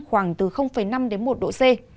khoảng từ năm đến một độ c